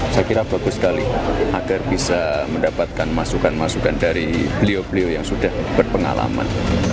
saya kira bagus sekali agar bisa mendapatkan masukan masukan dari beliau beliau yang sudah berpengalaman